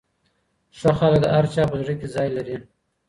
ښه خلک د هر چا په زړه کي ځای لري.